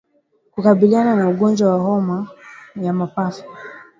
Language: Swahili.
Kukabiliana na ugonjwa wa homa ya mapafu